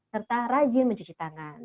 serta rajin mencuci tangan